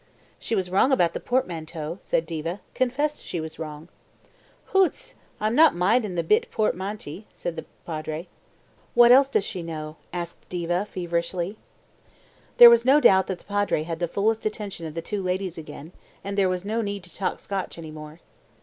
"She was wrong about the portmanteau," said Diva. "Confessed she was wrong." "Hoots! I'm not mindin' the bit pochmantie," said the Padre. "What else does she know?" asked Diva feverishly. There was no doubt that the Padre had the fullest attention of the two ladies again, and there was no need to talk Scotch any more.